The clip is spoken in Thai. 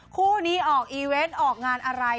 คู่นี้ออกอีเวนต์ออกงานอะไร